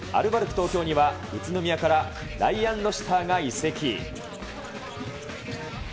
東京には宇都宮からライアン・ロシターが移籍。